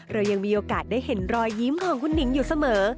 เรายังมีโอกาสได้เห็นรอยยิ้มของคุณหนิงอยู่เสมอ